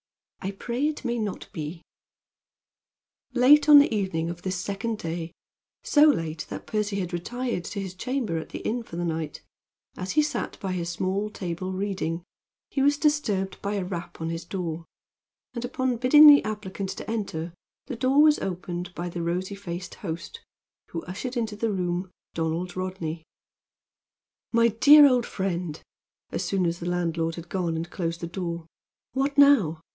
"I pray it may not be." Late on the evening of this second day, so late that Percy had retired to his chamber at the inn for the night, as he sat by his small table reading, he was disturbed by a rap on his door, and upon bidding the applicant to enter, the door was opened by the rosy faced host, who ushered into the room Donald Rodney. "My dear old friend!" as soon as the landlord had gone and closed the door, "what now?